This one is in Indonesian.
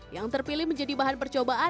yang terpilih menjadi bahan percobaan